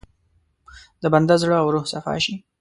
د بنده زړه او روح صفا شي.